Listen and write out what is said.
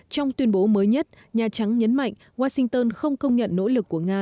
trong tuyên bố mới nhất nhà trắng nhấn mạnh washington không công nhận nỗ lực của nga